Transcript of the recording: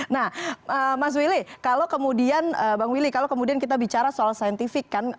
nah mas willy kalau kemudian bang willy kalau kemudian kita bicara soal saintifik kan